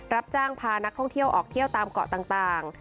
รับจ้างพานักท่องเที่ยวออกเที่ยวตามเกาะต่าง